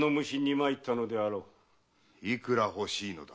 いくら欲しいのだ？